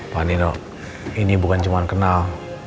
pak nino ini bukan cuma kenal